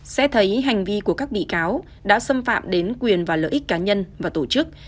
xét thấy hành vi của các bị cáo đã xâm phạm đến quyền và lợi ích cá nhân và tổ chức